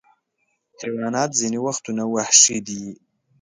حیوانات ځینې وختونه وحشي دي.